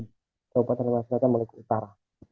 kewapatan halmahera selatan meluku utara